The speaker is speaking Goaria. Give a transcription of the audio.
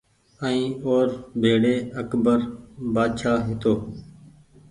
ائين او ر ڀيڙي اڪبر بآڇآ هيتو